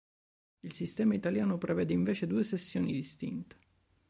Il sistema italiano prevede invece due sessioni distinte.